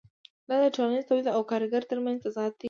دا د ټولنیز تولید او کارګر ترمنځ تضاد دی